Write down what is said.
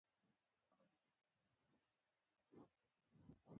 احمد؛ علي وګواښه او ورته ويې ويل چې خوله پرې نه کړې.